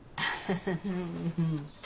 フフフフ。